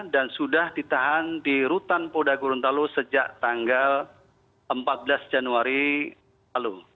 dan sudah ditahan di rutan poda gurun talu sejak tanggal empat belas januari lalu